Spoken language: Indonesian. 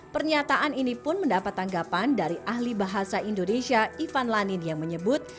pernyataan ini pun mendapat tanggapan dari ahli bahasa indonesia ivan lanin yang menyebut